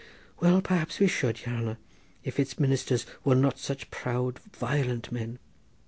"Well, perhaps we should, yere hanner, if its ministers were not such proud violent men.